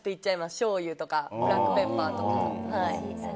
しょうゆとかブラックペッパーとか。